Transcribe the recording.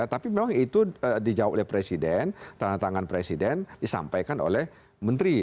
tapi memang itu dijawab oleh presiden tanda tangan presiden disampaikan oleh menteri